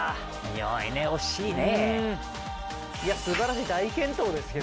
４位ね惜しいね。